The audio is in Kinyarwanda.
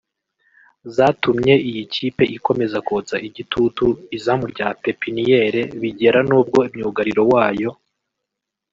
zatumye iyi kipe ikomeza kotsa igitutu izamu rya pépinière bigera nubwo myugariro wayo